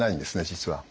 実は。